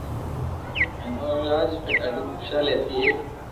ھين اوري راج ۾ ڌاڌي خوݾالي ھتي ايڪ